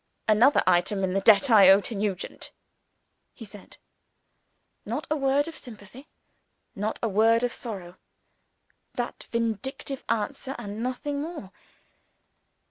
"Another item in the debt I owe to Nugent!" he said. Not a word of sympathy, not a word of sorrow. That vindictive answer, and nothing more.